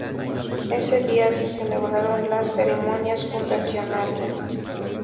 Ese día se celebraron las ceremonias fundacionales.